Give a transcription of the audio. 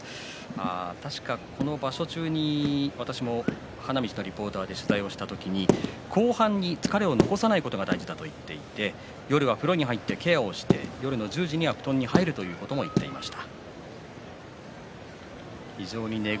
この場所中に私も取材をした時に後半に疲れを残さないことが大事だと言って夜は風呂に入ってケアをして夜の１０時は布団に入るということを言っていました